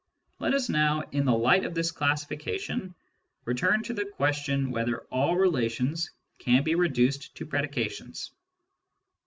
Let us now, in the light of this classification, return to the question whether all relations can be reduced to predications.